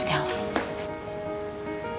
kita kaya bedanya mah